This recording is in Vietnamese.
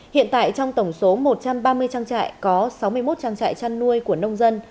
hiện tại trong tổng số một trăm ba mươi trang trại có sáu mươi một trang trại chăn nuôi của nông dân